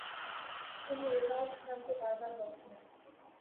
তিনি “রেনল্ডস” নামটি বারবার বলছিলেন।